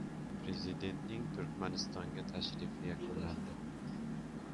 Prezidentning Turkmanistonga tashrifi yakunlandi